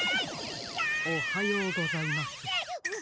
おはようございます。